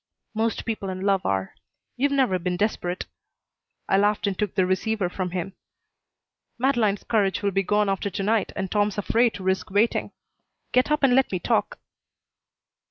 "Most people in love are. You've never been desperate." I laughed and took the receiver from him. "Madeleine's courage will be gone after tonight and Tom's afraid to risk waiting. Get up and let me talk."